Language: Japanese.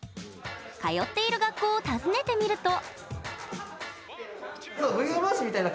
通っている学校を訪ねてみると。